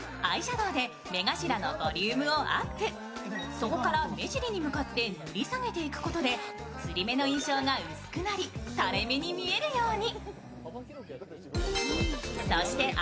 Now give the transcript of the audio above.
そこから目尻に向かって塗り下げていくことでつり目の印象が薄くなりタレ目に見えるように。